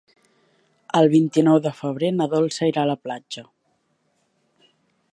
El vint-i-nou de febrer na Dolça irà a la platja.